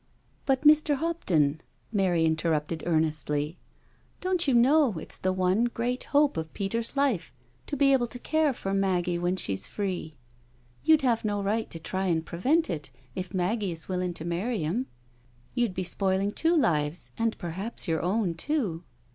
" But, Mr. Hopton," Mary interrupted earnestly, " don't you know it's the one great hope of Peter's life to be able to care for Maggie when she's free? You'd have no right to try and prevent it, if Maggie is willing to marry him — you'd be spoiling two lives and perhaps your own too.